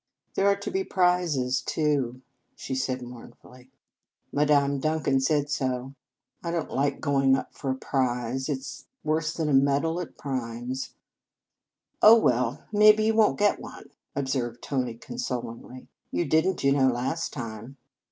"There are to be prizes, too," she said mournfully. 184 Reverend Mother s Feast "Madame Duncan said so. I don t like going up for a prize. It s worse than a medal at Primes." " Oh, well, maybe you won t get one," observed Tony consolingly. " You did n t, you know, last time."